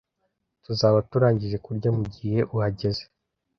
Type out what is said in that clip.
Tuzaba turangije kurya mugihe uhageze.